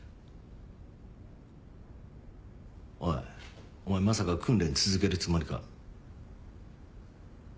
おいお前まさか訓練続けるつもりか？